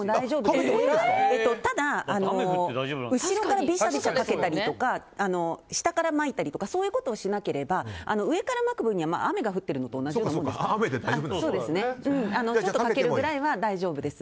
でも、後ろからビシャビシャとかけたりとか下からまいたりとかそういうことをしなければ上からまく分には雨が降ってるのと同じようなものなのでちょっとかけるぐらいなら大丈夫です。